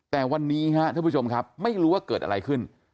แต่วันนี้ครับท่านผู้ชมครับไม่รู้ว่าเกิดอะไรขึ้น